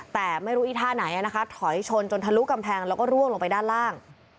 แต่ไม่รู้อีท่าไหนนะคะถอยชนจนทะลุกำแพงแล้วก็ร่วงลงไปด้านล่าง